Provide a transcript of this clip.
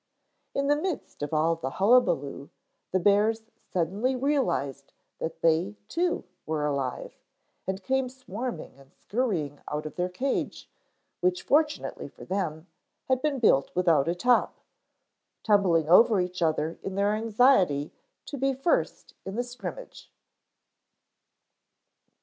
In the midst of all the hullabaloo the bears suddenly realized that they, too, were alive, and came swarming and scurrying out of their cage, which, fortunately for them, had been built without a top, tumbling over each other in their anxiety to be first in the scrimmage.